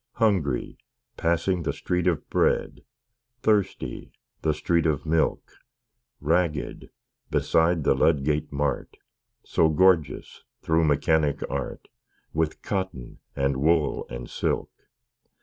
Hungry passing the Street of Bread; Thirsty the street of Milk; Ragged beside the Ludgate Mart, So gorgeous, through Mechanic Art, With cotton, and wool, and silk!